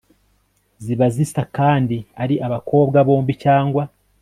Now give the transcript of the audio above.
ziba zisa kandi ari abakobwa bombi cyangwa